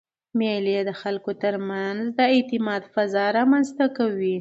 مېلې د خلکو ترمنځ د اعتماد فضا رامنځ ته کوي.